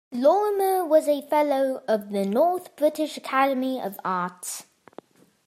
Lorimer was a fellow of the North British Academy of Arts.